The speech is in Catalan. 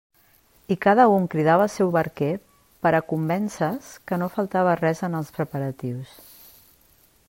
I cada un cridava el seu barquer per a convèncer-se que no faltava res en els preparatius.